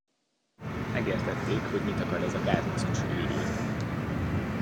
Megértették, hogy mit akar ez a gázmaszkos őrült.